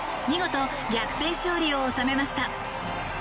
見事、逆転勝利を収めました。